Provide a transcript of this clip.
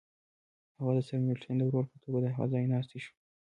هغه د سرمیلټن د ورور په توګه د هغه ځایناستی شو.